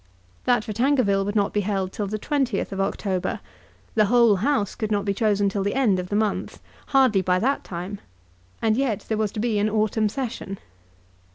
That for Tankerville would not be held till the 20th of October. The whole House could not be chosen till the end of the month, hardly by that time and yet there was to be an autumn Session.